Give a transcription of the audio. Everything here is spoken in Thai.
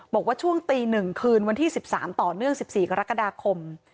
บอกว่าช่วงตี๑คืน๑๓ต่อเรื่อง๑๔กรกฎคม